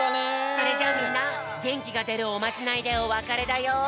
それじゃあみんなげんきがでるおまじないでおわかれだよ。